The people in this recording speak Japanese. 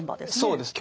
そうです。